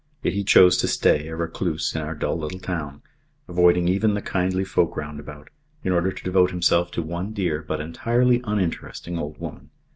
Yet he chose to stay, a recluse, in our dull little town, avoiding even the kindly folk round about, in order to devote himself to one dear but entirely uninteresting old woman.